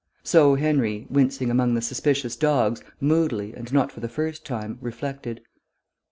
So Henry, wincing among the suspicious dogs, moodily, and not for the first time, reflected.